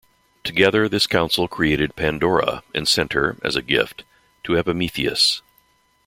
Together this council created Pandora, and sent her, as a gift, to Epimetheus.